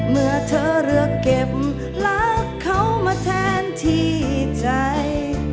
เมื่อเธอเลือกเก็บรักเขามาแทนที่ใจ